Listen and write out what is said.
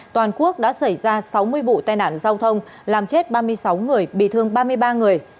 toàn quốc đã xảy ra sáu mươi vụ tai nạn giao thông làm chết ba mươi sáu người bị thương ba mươi ba người